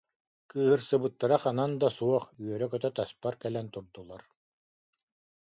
Кыыһырсыбыттара ханан да суох, үөрэ-көтө таспар кэлэн турдулар